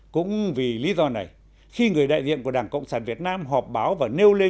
cũng vì lý do này khi người đại diện của đảng cộng sản việt nam họp báo và nêu lên